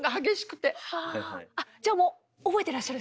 じゃもう覚えてらっしゃる？